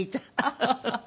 ハハハハ。